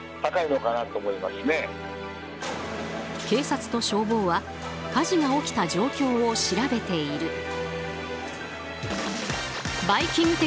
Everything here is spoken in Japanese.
警察と消防は火事が起きた状況を調べている。